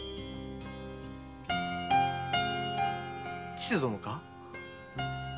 ・千勢殿か？